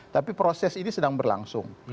tapi proses ini sedang berlangsung